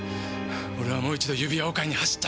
俺はもう一度指輪を買いに走った。